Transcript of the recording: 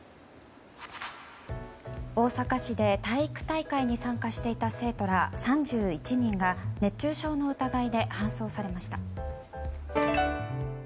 大阪市で体育大会に参加していた生徒ら３１人が熱中症の疑いで搬送されました。